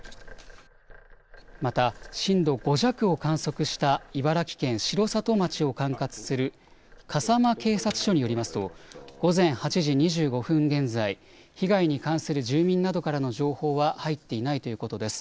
また震度５弱を観測した茨城県城里町を管轄する笠間警察署によりますと午前８時２５分現在、被害に関する住民などからの情報は入っていないということです。